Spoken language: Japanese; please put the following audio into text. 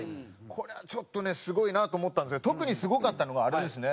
これはちょっとねすごいなと思ったんですけど特にすごかったのがあれですね。